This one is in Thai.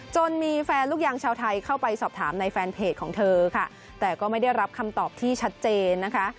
จนมีแฟนลูกยางชาวไทยเข้าไปสอบถามในแฟนเพจของเธอค่ะแต่ก็ไม่ได้รับคำตอบที่ชัดเจนนะคะ